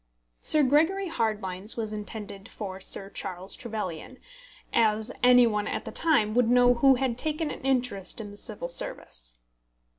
Sir Gregory Hardlines was intended for Sir Charles Trevelyan, as any one at the time would know who had taken an interest in the Civil Service.